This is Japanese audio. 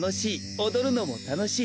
おどるのもたのしい。